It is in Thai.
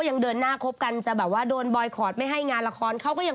แต่หล่อขึ้นจริงทำไมมนต์ออกไปหรือ